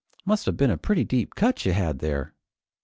Must have been a pretty deep cut ya had there!"